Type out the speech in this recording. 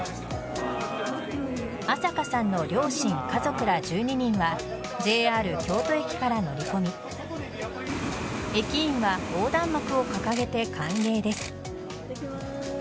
麻香さんの両親、家族ら１２人はＪＲ京都駅から乗り込み駅員は横断幕を掲げて歓迎です。